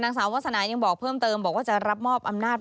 นางสาววาสนายังบอกเพิ่มเติมบอกว่าจะรับมอบอำนาจ